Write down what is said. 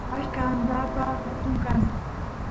pashqa andapa atun kan